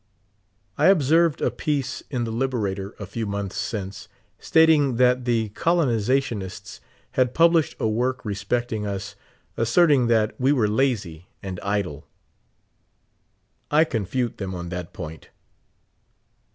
I observed a piece in the Liberator a few months since, stating that the colonizationists had published a work respecting us, asserting that we were lazy and idle. I confute them on that point.